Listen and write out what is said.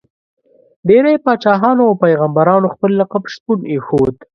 ډېری پاچاهانو او پيغمبرانو خپل لقب شپون ایښود.